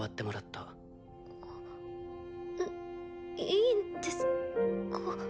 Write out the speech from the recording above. いいいんですか？